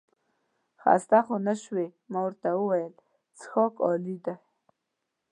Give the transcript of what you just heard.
خسته خو نه شوې؟ ما ورته وویل څښاک عالي دی.